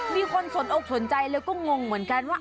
มีคนสนอกสนใจแล้วก็งงเหมือนกันว่า